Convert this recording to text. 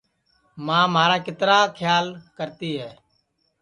ماں مھارا کِترا کھیال کرتی ہے